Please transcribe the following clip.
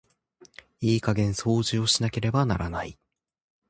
いい加減掃除をしなければならない。